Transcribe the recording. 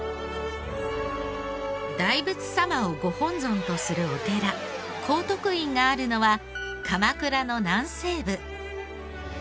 大仏様をご本尊とするお寺高徳院があるのは鎌倉の南西部。